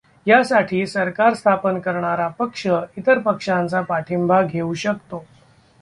ह्यासाठी सरकार स्थापन करणारा पक्ष इतर पक्षांचा पाठिंबा घेऊ शकतो.